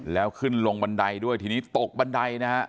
แล้วขึ้นลงบันไดด้วยทีนี้ตกบันไดนะฮะ